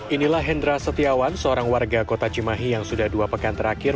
inilah hendra setiawan seorang warga kota cimahi yang sudah dua pekan terakhir